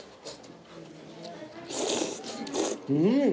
うん！